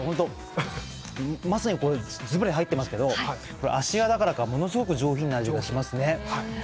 まさにズバリ入ってますけど芦屋だからか、ものすごく上品な味がしますね。